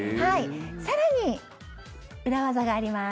更に、裏技があります。